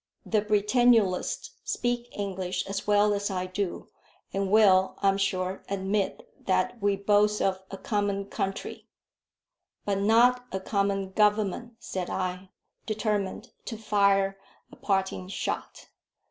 The Britannulists speak English as well as I do, and will, I am sure, admit that we boast of a common country." "But not a common Government," said I, determined to fire a parting shot.